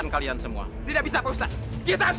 kamu hebat pak ustadz